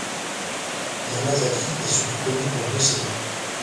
Yamazaki est surtout connu pour deux séries.